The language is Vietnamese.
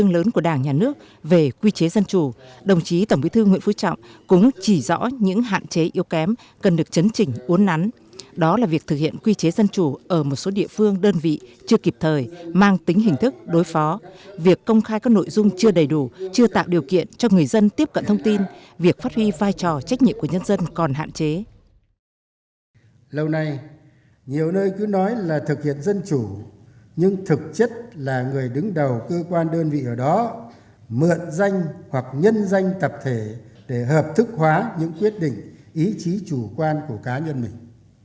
lâu nay nhiều nơi cứ nói là thực hiện dân chủ nhưng thực chất là người đứng đầu cơ quan đơn vị ở đó mượn danh hoặc nhân danh tập thể để hợp thức hóa những quyết định ý chí chủ quan của cá nhân mình